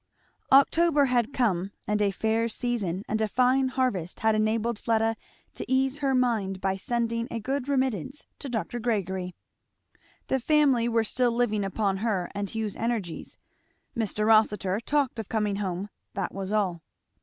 October had come; and a fair season and a fine harvest had enabled Fleda to ease her mind by sending a good remittance to Dr. Gregory. The family were still living upon her and Hugh's energies. Mr. Rossitur talked of coming home, that was all.